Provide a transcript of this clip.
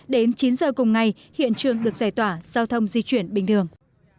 đến chín giờ cùng ngày hiện trường được giải tỏa giao thông di chuyển bình thường